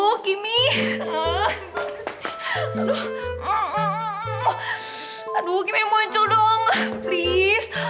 aduh gimana sih aduh aduh kimi muncul dong please